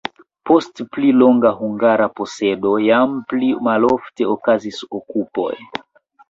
Post pli longa hungara posedo jam pli malofte okazis okupoj.